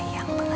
aku mau ke sana